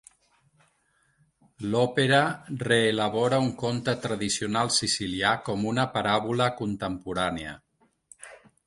L'òpera reelabora un conte tradicional sicilià com una paràbola contemporània.